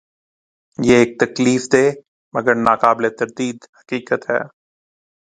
یہ ایک تکلیف دہ، لیکن ناقابل تردید حقیقت ہے۔